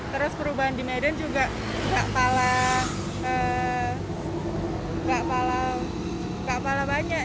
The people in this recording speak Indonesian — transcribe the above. terus perubahan di medan juga nggak pala banyak